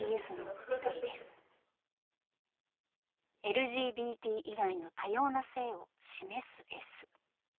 ＬＧＢＴ以外の多様な性を示す「ｓ」。